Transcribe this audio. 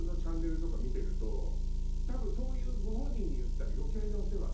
多分そういうご本人に言ったら「余計なお世話」